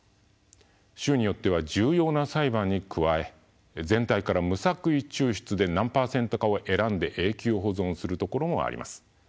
州によっては重要な裁判に加え全体から無作為抽出で何％かを選んで永久保存するところもあります。